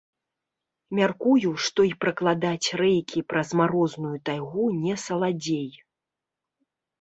Мяркую, што і пракладаць рэйкі праз марозную тайгу не саладзей.